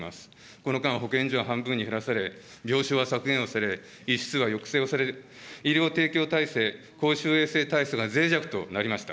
この間、保健所は半分に減らされ、病床は削減をされ、医師数は抑制をされる、医療提供体制、公衆衛生体制がぜい弱となりました。